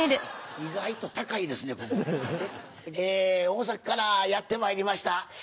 大阪からやってまいりました。